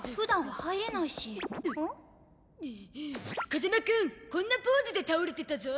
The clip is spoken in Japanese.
風間くんこんなポーズで倒れてたゾ。